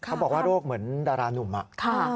เขาบอกว่าโรคเหมือนดารานุ่มอะ